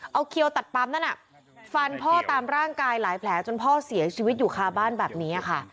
เอาเขียวตัดปั๊มนั่นฟันพ่อตามร่างกายหลายแผลจนพ่อเสียชีวิตอยู่คาบ้านแบบนี้ค่ะ